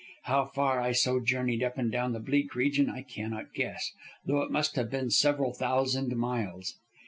How far I so journeyed up and down that bleak region I cannot guess, though it must have been several thousand miles.